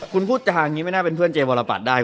คุณพูดจาอย่างนี้ไม่น่าเป็นเพื่อนเจวรปัตรได้